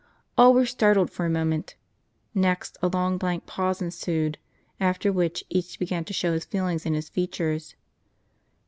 All were startled for a moment. Next, a long blank pause ensued, after which, each began to show his feelings in his features.